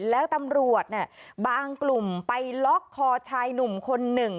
แล้วตำรวจบางกลุ่มไปล็อกคอชายหนุ่มคนหนึ่ง